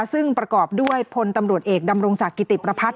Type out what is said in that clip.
ซึ่งประกอบด้วยพลตำรวจเอกดำรงศักดิติประพัทธ